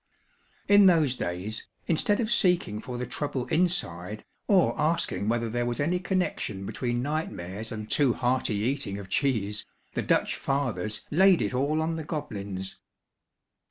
In those days, instead of seeking for the trouble inside, or asking whether there was any connection between nightmares and too hearty eating of cheese, the Dutch fathers laid it all on the goblins.